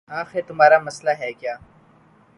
آخر تمہارا مسئلہ ہے کیا